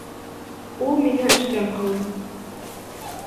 Ул мине эштән ҡыуҙы.